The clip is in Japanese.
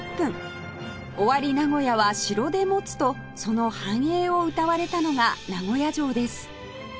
尾張名古屋は城で保つとその繁栄をうたわれたのが名古屋城です